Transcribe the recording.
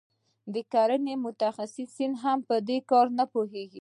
د کرنې متخصصان هم په دې کار نه پوهیږي.